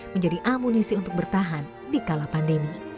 menjadi amunisi untuk bertahan di kala pandemi